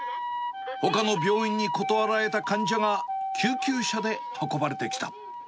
ほかの病院に断られた患者が救急車で運ばれてきた。